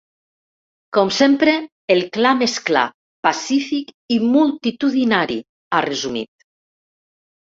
Com sempre, el clam és clar, pacífic i multitudinari, ha resumit.